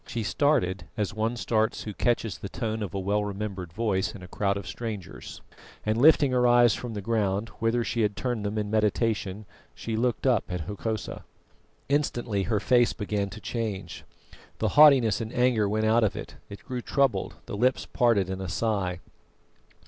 She started as one starts who catches the tone of a well remembered voice in a crowd of strangers, and lifting her eyes from the ground, whither she had turned them in meditation, she looked up at Hokosa. Instantly her face began to change. The haughtiness and anger went out of it, it grew troubled, the lips parted in a sigh.